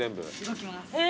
動きます。